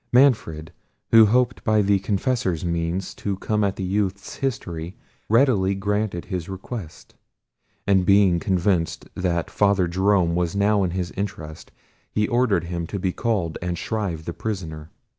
Manfred, who hoped by the confessor's means to come at the youth's history, readily granted his request; and being convinced that Father Jerome was now in his interest, he ordered him to be called and shrive the prisoner.